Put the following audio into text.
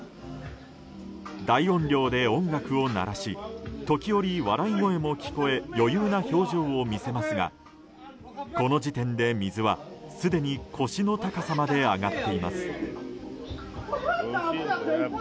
大音量で音楽を鳴らし時折、笑い声も聞こえ余裕な表情を見せますがこの時点で水はすでに腰の高さまで上がっています。